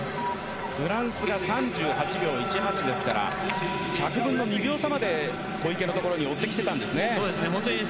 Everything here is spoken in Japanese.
フランスが３８秒１８ですから１００分の２票差まで小池のところに来ていたんですね。